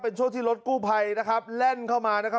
เป็นช่วงที่รถกู้ภัยนะครับแล่นเข้ามานะครับ